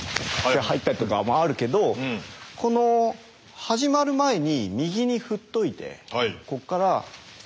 入ったとかもあるけどこの始まる前に右に振っといてこっから。